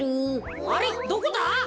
あれっどこだ？